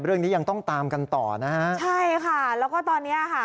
เรื่องนี้ยังต้องตามกันต่อนะฮะใช่ค่ะแล้วก็ตอนเนี้ยค่ะ